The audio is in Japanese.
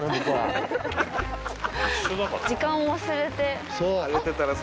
時間を忘れてあっ。